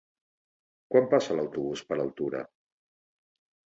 Quan passa l'autobús per Altura?